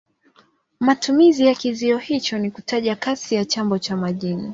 Matumizi ya kizio hicho ni kutaja kasi ya chombo cha majini.